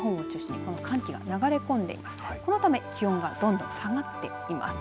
このため気温がどんどん下がっています。